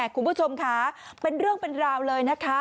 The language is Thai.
คุณผู้ชมค่ะเป็นเรื่องเป็นราวเลยนะคะ